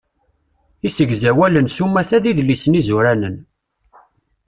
Isegzawalen s umata d idlisen izuranen.